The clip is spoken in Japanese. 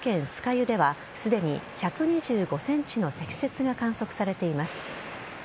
湯ではすでに１２５ｃｍの積雪が観測されています。